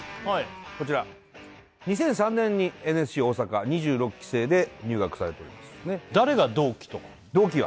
こちら２００３年にＮＳＣ大阪２６期生で入学されておりますね同期は？